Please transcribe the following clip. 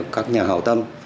các nhà hảo tâm